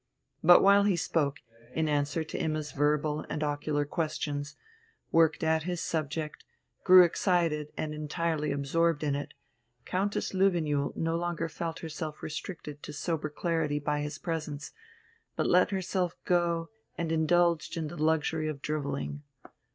But while he spoke, in answer to Imma's verbal and ocular questions, worked at his subject, grew excited and entirely absorbed in it, Countess Löwenjoul no longer felt herself restricted to sober clarity by his presence, but let herself go and indulged in the luxury of drivelling.